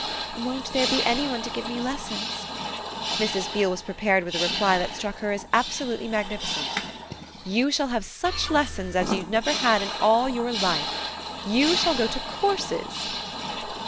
"Won't there be any one to give me lessons?" Mrs. Beale was prepared with a reply that struck her as absolutely magnificent. "You shall have such lessons as you've never had in all your life. You shall go to courses."